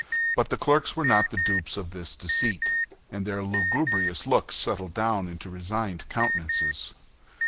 But the clerks were not the dupes of this deceit, and their lugubrious looks settled down into resigned countenances.